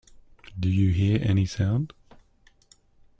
Do you hear any sound?